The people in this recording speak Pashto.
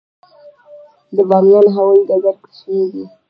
د بامیان هوايي ډګر کوچنی دی